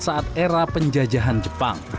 saat era penjajahan jepang